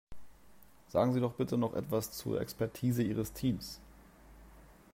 Sagen Sie doch bitte noch etwas zur Expertise Ihres Teams.